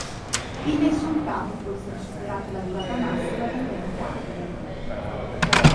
In nessun caso può essere superata la durata massima di trenta anni.